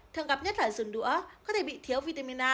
thường gặp nhất là rừng đũa có thể bị thiếu vitamin a